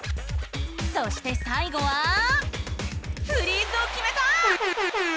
そしてさいごはフリーズをきめた！